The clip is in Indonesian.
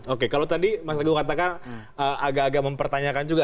oke kalau tadi mas agung katakan agak agak mempertanyakan juga